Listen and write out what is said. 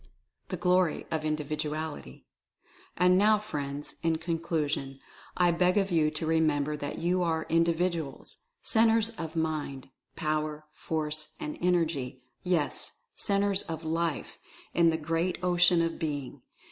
THE GLORY OF INDIVIDUALITY. And now, friends, in conclusion I beg of you to re member that you are Individuals — Centres of Mind, Power, Force and Energy, yes, Centres of LIFE, in the great Ocean of Being.